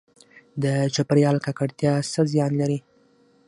د چاپیریال ککړتیا څه زیان لري؟